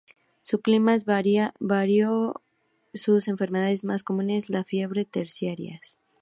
Su clima es vario, sus enfermedades más comunes, las fiebres terciarias.